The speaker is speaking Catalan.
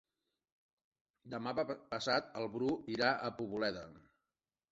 Demà passat en Bru irà a Poboleda.